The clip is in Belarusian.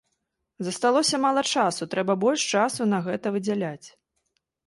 Засталося мала часу, трэба больш часу на гэта выдзяляць.